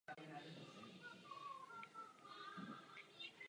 Ve Valdicích se také nachází památník politických vězňů.